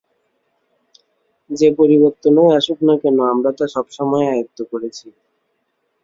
যে পরিবর্তনই আসুক না কেন আমরা তা সবসময় আয়ত্ত করেছি।